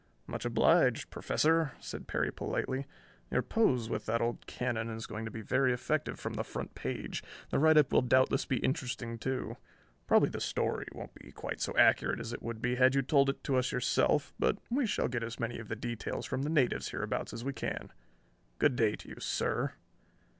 "Much obliged, Professor," said Perry politely. "Your pose with that old cannon is going to be very effective from the front page. The write up will doubtless be interesting too. Probably the story won't be quite so accurate as it would be had you told it to us yourself; but we shall get as many of the details from the natives hereabouts as we can. Good day to you, sir!"